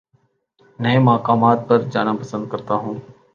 نئے مقامات پر جانا پسند کرتا ہوں